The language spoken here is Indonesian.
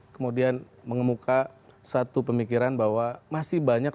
kemudian mengemuka satu pemikiran bahwa masih banyak